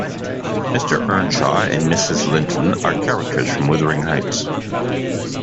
Mr Earnshaw and Mrs Linton are characters from Wuthering Heights